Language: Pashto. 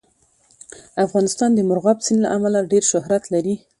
افغانستان د مورغاب سیند له امله ډېر شهرت لري.